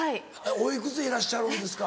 おいくつでいらっしゃるんですか。